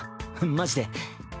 マジで。